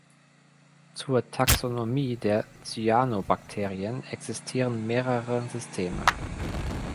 Zur Taxonomie der Cyanobakterien existieren mehrere Systeme.